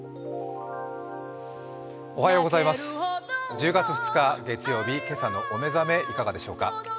１０月２日月曜日、今朝のお目覚めいかがでしょうか。